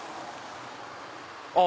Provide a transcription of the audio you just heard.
あっ！